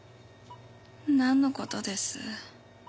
なんの事です？